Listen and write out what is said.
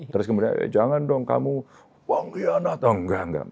terus kemudian jangan dong kamu wanglian atau enggak